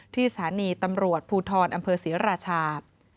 ที่สถานีตำรวจภูทรอำเภอศรีราชา